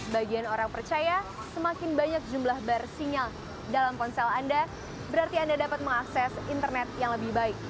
sebagian orang percaya semakin banyak jumlah bar sinyal dalam ponsel anda berarti anda dapat mengakses internet yang lebih baik